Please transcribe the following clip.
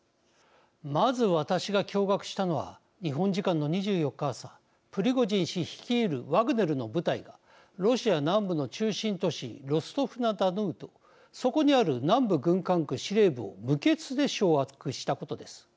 まず、私が驚がくしたのは日本時間の２４日朝プリゴジン氏率いるワグネルの部隊がロシア南部の中心都市ロストフ・ナ・ドヌーとそこにある南部軍管区司令部を無血で掌握したことです。